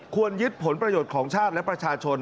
ยึดผลประโยชน์ของชาติและประชาชน